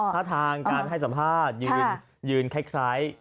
ถ้าทางการให้สัมภาษณ์ยืนคล้าย